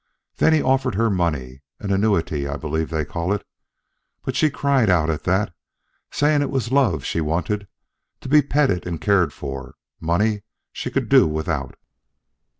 Then he offered her money, an annuity, I believe they call it, but she cried out at that, saying it was love she wanted, to be petted and cared for money she could do without.